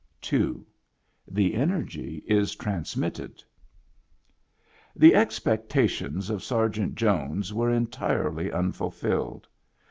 II. The Energy is TRANSMrrrED The expectations of Sergeant Jones were en tirely unfulfilled.